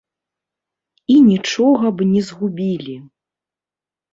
І нічога б не згубілі.